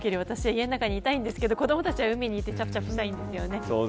家の中にいたいんですが子どもたちは海に行ってちゃぷちゃぷしたいんですよね。